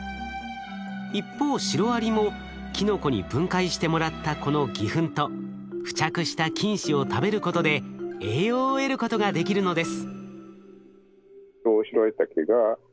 一方シロアリもキノコに分解してもらったこの偽ふんと付着した菌糸を食べることで栄養を得ることができるのです。